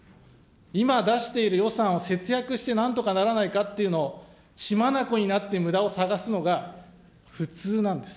今出している予算を節約してなんとかならないかっていうのを血眼になってむだを探すのが、普通なんです。